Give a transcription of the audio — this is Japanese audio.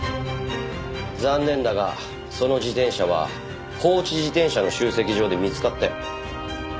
残念だがその自転車は放置自転車の集積所で見つかったよ。